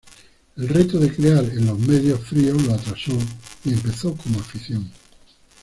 El reto de crear en los medios fríos lo atrasó y empezó como afición.